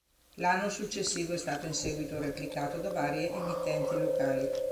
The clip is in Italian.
L'anno successivo è stato in seguito replicato da varie emittenti locali..